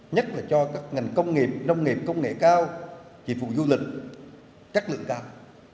nhất là cho các ngành công nghiệp nông nghiệp công nghệ cao chỉ phụ du lịch chất lượng cao